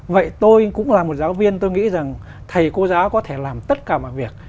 vậy tôi cũng là một giáo viên tôi nghĩ rằng thầy cô giáo có thể làm tất cả mọi việc